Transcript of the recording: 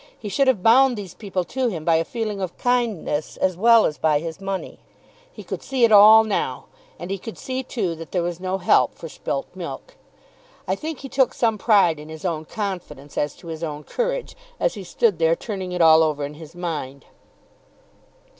He should have bound these people to him by a feeling of kindness as well as by his money. He could see it all now. And he could see too that there was no help for spilt milk. I think he took some pride in his own confidence as to his own courage, as he stood there turning it all over in his mind.